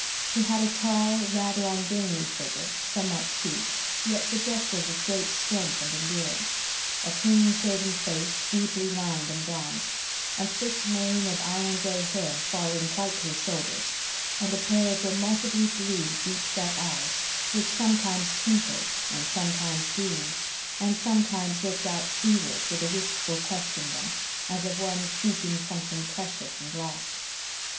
He had a tall, rather ungainly figure, somewhat stooped, yet suggestive of great strength and endurance; a clean shaven face deeply lined and bronzed; a thick mane of iron gray hair falling quite to his shoulders, and a pair of remarkably blue, deep set eyes, which sometimes twinkled and sometimes dreamed, and sometimes looked out seaward with a wistful quest in them, as of one seeking something precious and lost.